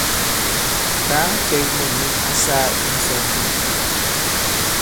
Kàa cɛ ki mût nik ǎ sāā i ǹsɔn mwe.